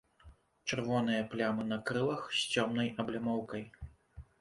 Чырвоныя плямы на крылах з цёмнай аблямоўкай.